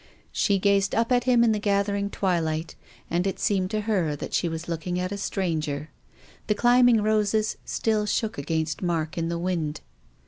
She gazed up at him in the gathering twilight and it seemed to her that she was looking at a stranger. The climbing roses still shook against Mark in the wind.